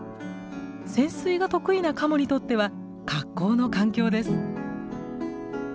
潜水が得意なカモにとっては格好の環境です。